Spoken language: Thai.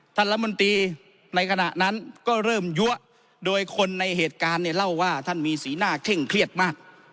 รัฐมนตรีในขณะนั้นก็เริ่มยั้วโดยคนในเหตุการณ์เนี่ยเล่าว่าท่านมีสีหน้าเคร่งเครียดมาก